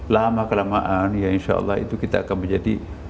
lama kelamaan ya insya allah itu kita akan menjadi